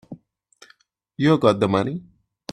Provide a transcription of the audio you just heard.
You've got the money.